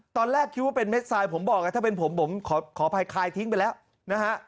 ตอนแรกคิดว่าเป็นเม็ดทรายผมบอกนะถ้าเป็นผมผมขออภัยคลายทิ้งไปแล้วนะฮะ